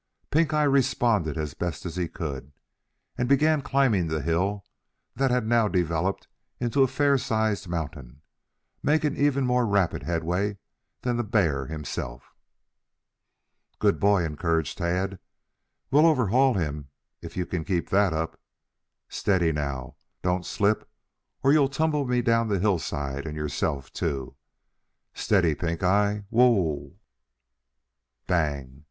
Pink eye responded as best he could, and began climbing the hill that had now developed into a fair sized mountain, making even more rapid headway than the bear himself. "Good boy," encouraged Tad. "We'll overhaul him if you can keep that up. Steady now. Don't slip or you'll tumble me down the hill and yourself, too. Steady, Pink eye. W h o e e!" "Bang!"